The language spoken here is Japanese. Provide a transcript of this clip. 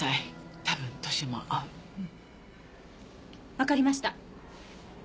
わかりました。